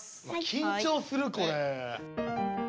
緊張するこれ。